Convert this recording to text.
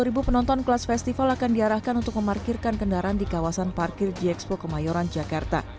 dua puluh ribu penonton kelas festival akan diarahkan untuk memarkirkan kendaraan di kawasan parkir gxpo kemayoran jakarta